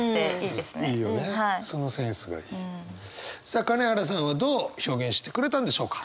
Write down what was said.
さあ金原さんはどう表現してくれたんでしょうか？